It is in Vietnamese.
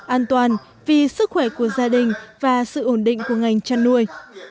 an toàn vì sức khỏe của gia đình và sự ổn định của ngành chăn nuôi